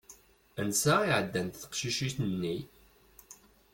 Ansa i ɛeddant teqcicin-nni?